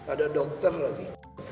ada dokter lagi